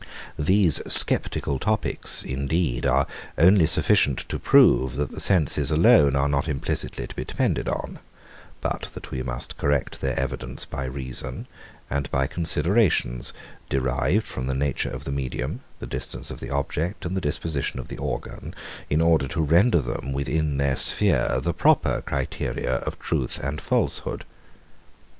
These sceptical topics, indeed, are only sufficient to prove, that the senses alone are not implicitly to be depended on; but that we must correct their evidence by reason, and by considerations, derived from the nature of the medium, the distance of the object, and the disposition of the organ, in order to render them, within their sphere, the proper criteria of truth and falsehood.